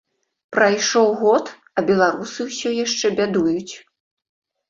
Прайшоў год, а беларусы ўсё яшчэ бядуюць.